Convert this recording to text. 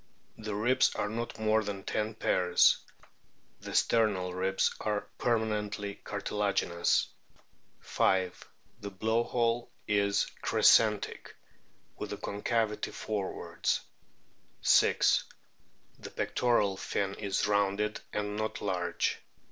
The ribs are not more than ten pairs ; the sternal ribs are permanently cartilaginous. 5. The blow hole is crescentic, with the concavity forwards. BEAKED WHALES 213 6. The pectoral fin is rounded, and not large.